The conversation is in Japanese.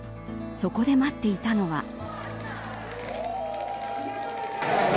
そこで待っていたのは。